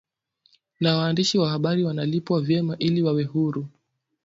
na waandishi wa Habari wanalipwa vyema ili wawe huru